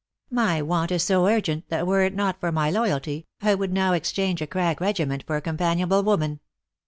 " My want is so urgent that were it not for my loy alty, I would now exchange a crack regiment for a companionable woman."